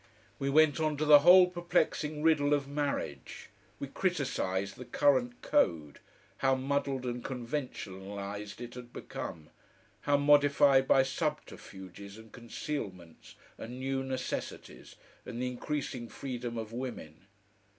We went on to the whole perplexing riddle of marriage. We criticised the current code, how muddled and conventionalised it had become, how modified by subterfuges and concealments and new necessities, and the increasing freedom of women.